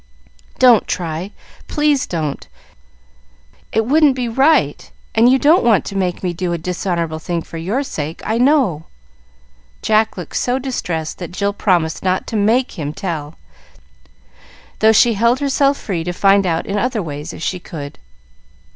"Don't try; please don't! It wouldn't be right, and you don't want to make me do a dishonorable thing for your sake, I know." Jack looked so distressed that Jill promised not to make him tell, though she held herself free to find out in other ways, if she could.